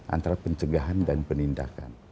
antara pencegahan dan penindakan